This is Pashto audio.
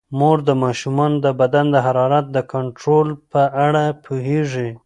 مور د ماشومانو د بدن د حرارت د کنټرول په اړه پوهیږي.